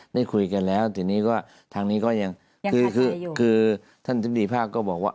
ได้คุยกันแล้วทีนี้ก็ทางนี้ก็ยังยังขาดใจอยู่คือท่านทิพธิภาคก็บอกว่า